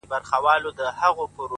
وايي اوس مړ يمه چي مړ سمه ژوندی به سمه-